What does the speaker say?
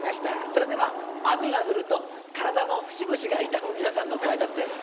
それでは雨が降ると体の節々が痛む皆さんのご挨拶です。